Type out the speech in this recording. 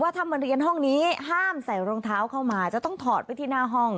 ถ้ามาเรียนห้องนี้ห้ามใส่รองเท้าเข้ามาจะต้องถอดไว้ที่หน้าห้อง